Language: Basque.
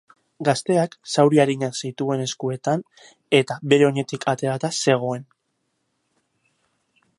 Gazteak zauri arinak zituen eskuetan, eta bere onetik aterata zegoen.